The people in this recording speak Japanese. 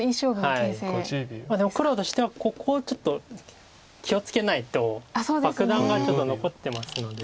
でも黒としてはここちょっと気を付けないと爆弾がちょっと残ってますので。